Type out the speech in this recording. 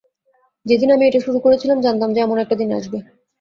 যেদিন আমি এটা শুরু করেছিলাম, জানতাম যে এমন একটা দিন আসবে।